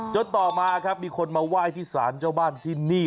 ต่อมาครับมีคนมาไหว้ที่สารเจ้าบ้านที่นี่